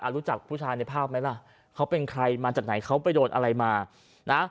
รู้จักผู้ชายในภาพไหมล่ะเขาเป็นใครมาจากไหนเขาไปโดนอะไรมานะ